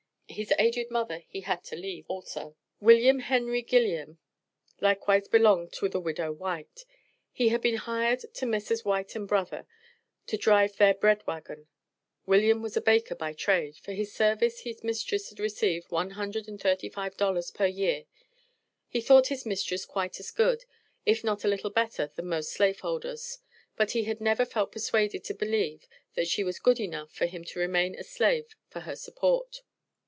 His aged mother he had to leave also. Wm. Henry Gilliam likewise belonged to the Widow White, and he had been hired to Messrs. White and Brother to drive their bread wagon. William was a baker by trade. For his services his mistress had received one hundred and thirty five dollars per year. He thought his mistress quite as good, if not a little better than most slave holders. But he had never felt persuaded to believe that she was good enough for him to remain a slave for her support.